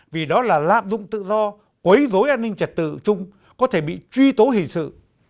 vì đó là lạm dụng tự do quấy dối an ninh trật tự trung có thể bị truy tố hình sự